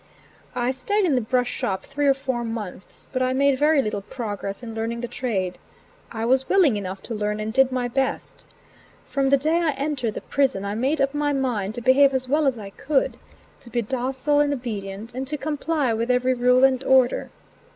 I stayed in the brush shop three or four months, but I made very little progress in learning the trade. I was willing enough to learn and did my best. From the day I entered the prison I made up my mind to behave as well as I could; to be docile and obedient, and to comply with every rule and order.